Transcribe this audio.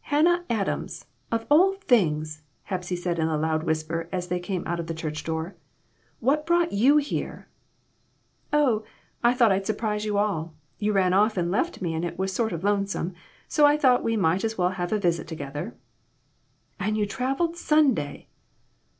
"Hannah Adams! Of all things!" K^osy said in a loud whisper as they came out of the church door. "What brought you here?" "Oh, I thought I'd surprise you all. You rrn off and left me and it was sort o' lonesome, so I thought we might as well have a visit together." "And you traveled Sunday!"